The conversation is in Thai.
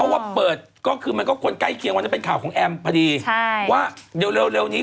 ว่าเดี๋ยวอันนี้